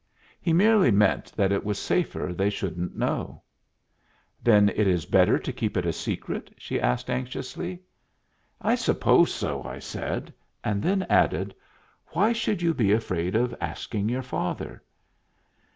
"He merely meant that it was safer they shouldn't know." "Then it is better to keep it a secret?" she asked, anxiously. "I suppose so," I said, and then added, "Why should you be afraid of asking your father?"